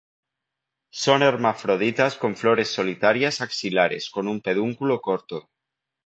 Son hermafroditas con flores solitarias axilares con un pedúnculo corto.